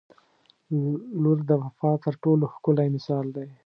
• لور د وفا تر ټولو ښکلی مثال دی.